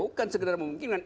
bukan sekedar memungkinkan